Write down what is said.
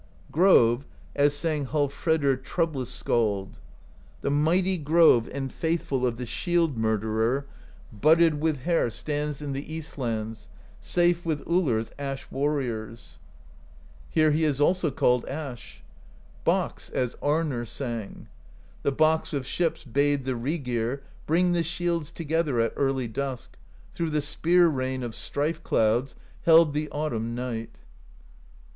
Grove, as sang Hallfredr Troublous Skald: The Mighty Grove and Faithful Of the Shield Murderer, budded i8o PROSE EDDA With hair, stands in the Eastlands Safe with Ullr's Ash Warriors. Here he is also called Ash. Box, as Arnorr sang: The Box of Ships bade the Rygir Bring the shields together At early dusk; through the spear rain Of strife clouds held the autumn night.